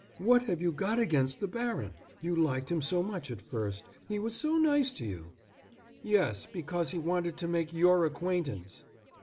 What have you got against the baron? You liked him so much at first. He was so nice to you." "Yes, because he wanted to make your acquaintance."